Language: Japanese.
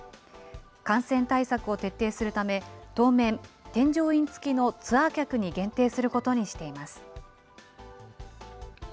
感染対策を徹底するため、当面、添乗員付きのツアー客に限定することにしています。